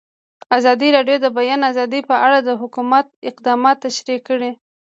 ازادي راډیو د د بیان آزادي په اړه د حکومت اقدامات تشریح کړي.